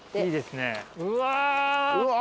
いいですねうわ！